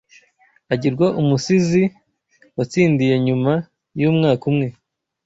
agirwa umusizi-watsindiye nyuma yumwaka umwe